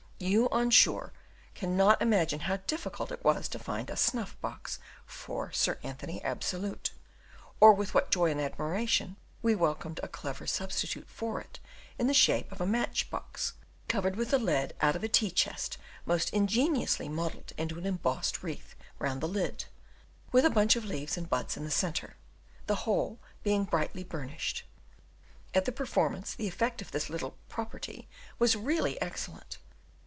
You on shore cannot imagine how difficult it was to find a snuff box for "Sir Anthony Absolute," or with what joy and admiration we welcomed a clever substitute for it in the shape of a match box covered with the lead out of a tea chest most ingeniously modelled into an embossed wreath round the lid, with a bunch of leaves and buds in the centre, the whole being brightly burnished: at the performance the effect of this little "property" was really excellent.